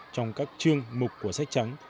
trong các chương mục của sách trắng